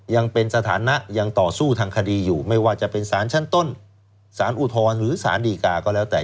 ยังเป็นสถานะยังต่อสู้ทางคดีอยู่ไม่ว่าจะเป็นสารชั้นต้นสารอุทธรณ์หรือสารดีกาก็แล้วแต่